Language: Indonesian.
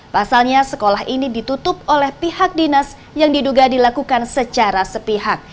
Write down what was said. pasalnya sekolah ini ditutup oleh pihak dinas yang diduga dilakukan secara sepihak